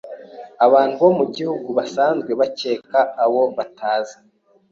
Abantu bo mu gihugu basanzwe bakeka abo batazi.